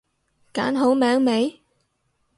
揀好名未？